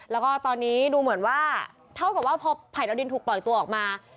แล้วก็ตอนนี้ดูเหมือนว่าเท่ากับว่าพอไผ่ดาวดินถูกปล่อยตัวออกมา